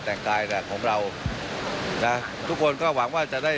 และขอให้วิ่งถึงจุดหมายด้วยความปลอดภัย